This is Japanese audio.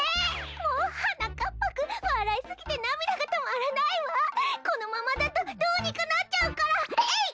もうはなかっぱくんわらいすぎてなみだがとまらないわこのままだとどうにかなっちゃうからえいっ！